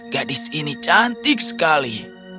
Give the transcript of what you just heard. gadis ini cantik sekali